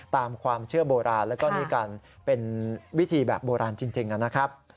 ตามความเชื่อโบราณแล้วก็นี่กันเป็นวิธีแบบโบราณจริงนะครับ